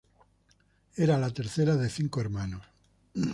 Era la tercera de cinco hermanos.